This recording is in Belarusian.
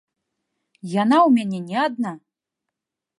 Яна ў мяне не адна!